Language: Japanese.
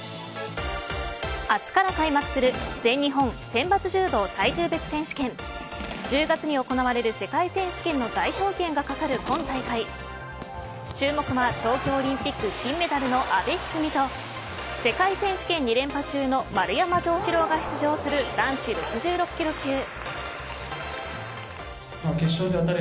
明日から開幕する全日本選抜柔道体重別選手権１０月に行われる世界選手権の代表権が懸かる今大会注目は、東京オリンピック金メダルの阿部一二三と世界選手権２連覇中の丸山城志郎が出場する男子６６キロ級。